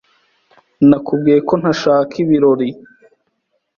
Nakubwiye ko ntashaka ibirori